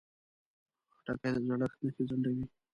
خټکی د زړښت نښې ځنډوي.